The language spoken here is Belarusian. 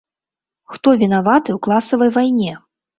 Хто вінаваты ў класавай вайне?